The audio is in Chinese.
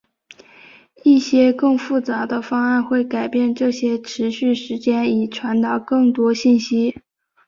一些更复杂的方案会改变这些持续时间以传达更多信息。